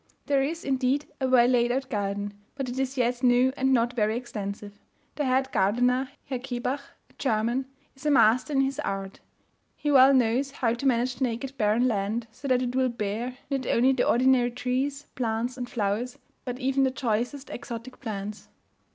There is, indeed, a well laid out garden, but it is yet new and not very extensive. The head gardener, Herr Kebach (a German), is a master in his art; he well knows how to manage the naked barren land, so that it will bear not only the ordinary trees, plants, and flowers, but even the choicest exotic plants.